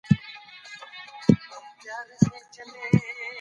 هغه هدف ترلاسه کړی دی.